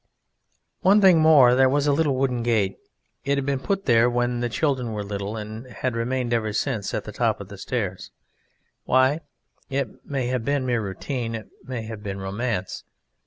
One thing more there was, a little wooden gate. It had been put there when the children were little, and had remained ever since at the top of the stairs. Why? It may have been mere routine. It may have been romance.